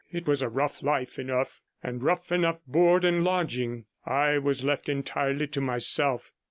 It was a rough life enough, and rough enough board and lodging. I was left entirely to myself.